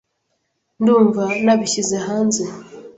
Ndumva nabishyize hanze.